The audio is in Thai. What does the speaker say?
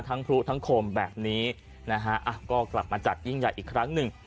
พลุทั้งโคมแบบนี้นะฮะก็กลับมาจัดยิ่งใหญ่อีกครั้งหนึ่ง